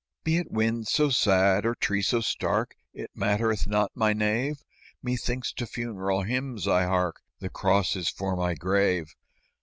"Be it wind so sad or tree so stark, It mattereth not, my knave; Methinks to funeral hymns I hark, The cross is for my grave!